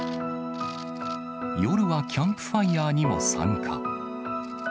夜はキャンプファイアーにも参加。